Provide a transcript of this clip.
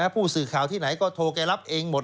ผู้สื่อข่าวที่ไหนก็โทรแกรับเองหมด